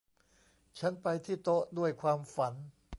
ฉันไปที่โต๊ะด้วยความฝัน